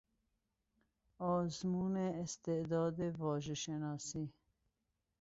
آزمون استعداد واژهشناسی